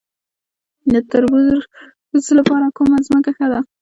د تربوز لپاره کومه ځمکه ښه ده؟